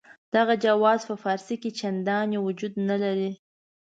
دغه جواز په فارسي کې چنداني وجود نه لري.